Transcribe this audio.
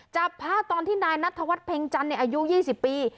จับภาพตอนที่นายนัทธวัฒนเพ็งจันทร์อายุ๒๐ปี